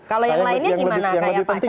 kalau yang lainnya gimana